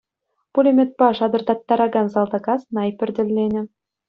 Пулеметпа шатӑртаттаракан салтака снайпер тӗлленӗ.